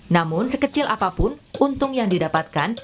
namun sekecil apapun untung yang didapatkan